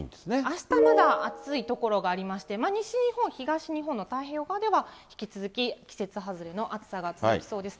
あしたまだ暑い所がありまして、西日本、東日本の太平洋側では引き続き季節外れの暑さが続きそうです。